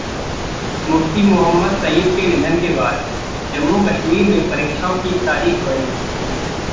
मुफ्ती मुहम्मद सईद के निधन के बाद जम्मू-कश्मीर में परीक्षाओं की तारीख बढ़ी